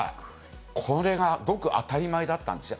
これがごくごく当たり前だったんですよ。